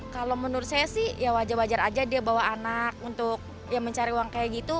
kalau menurut saya sih ya wajar wajar aja dia bawa anak untuk ya mencari uang kayak gitu